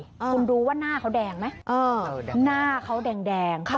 คุณรู้ว่าหน้าเขาแดงไหมหน้าเขาแดง